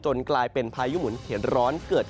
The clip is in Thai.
จนกลายเป็นพายุหมุนเข็ดร้อนเกิด